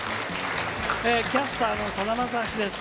キャスターのさだまさしです。